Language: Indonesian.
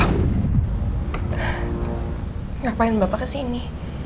kenapa bapak ke sini